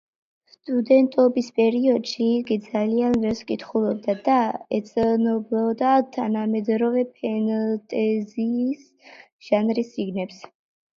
სტუდენტობის პერიოდში იგი ძალიან ბევრს კითხულობდა და ეცნობოდა თანამედროვე ფენტეზის ჟანრის წიგნებს.